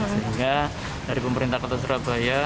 sehingga dari pemerintah kota surabaya